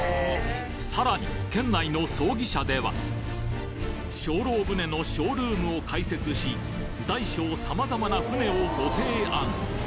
さらに県内の葬儀社では精霊船のショールームを開設し大小様々な船をご提案